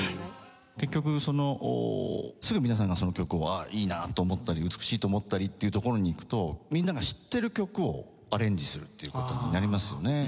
結局すぐ皆さんがその曲をあっいいなと思ったり美しいと思ったりっていうところにいくとみんなが知ってる曲をアレンジするっていう事になりますよね。